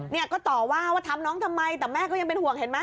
เนี่ยก็ต่อว่าว่าทำน้องทำไมแต่แม่ก็ยังเป็นห่วงเห็นไหม